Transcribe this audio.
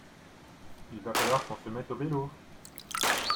Il va falloir qu’on se mette au vélo.